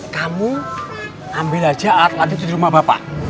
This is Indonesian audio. kamu ambil aja alat alat itu di rumah bapak